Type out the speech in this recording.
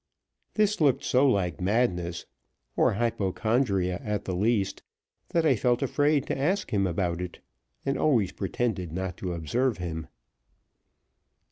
This looked so like madness or hypochondria at the least that I felt afraid to ask him about it, and always pretended not to observe him.